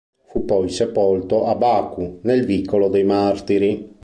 Fu poi sepolto a Baku, nel vicolo dei Martiri.